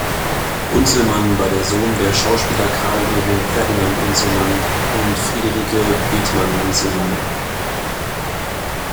Unzelmann war der Sohn der Schauspieler Karl Wilhelm Ferdinand Unzelmann und Friederike Bethmann-Unzelmann.